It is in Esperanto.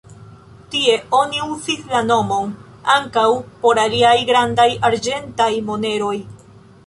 Tie oni uzis la nomon ankaŭ por aliaj grandaj arĝentaj moneroj.